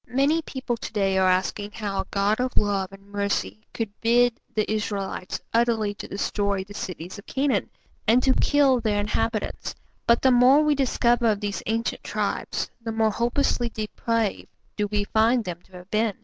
Many people to day are asking how a God of love and mercy could bid the Israelites utterly to destroy the cities of Canaan, and to kill their inhabitants, but the more we discover of these ancient tribes, the more hopelessly depraved do we find them to have been.